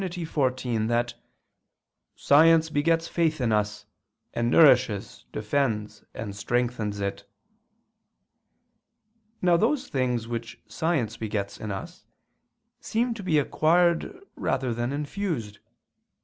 xiv) that "science begets faith in us, and nourishes, defends and strengthens it." Now those things which science begets in us seem to be acquired rather than infused.